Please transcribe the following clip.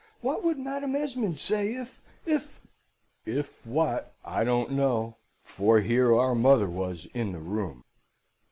What would Madam Esmond say if if ' "If what, I don't know, for here our mother was in the room.